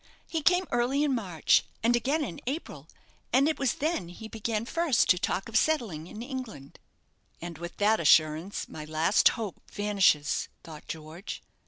"He came early in March, and again in April, and it was then he began first to talk of settling in England." "And with that assurance my last hope vanishes," thought George.